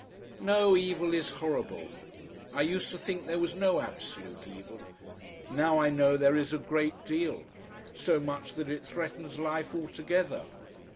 No, evil is horrible. I used to think there was no absolute evil. Now I know there is a great deal. So much that it threatens life altogether.